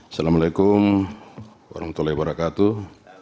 assalamu alaikum warahmatullahi wabarakatuh